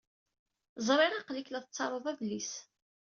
Ẓriɣ aql-ik la tettaruḍ adlis.